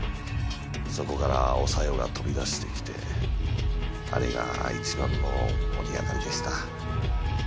そこからお小夜が飛び出してきてあれが一番の盛り上がりでした。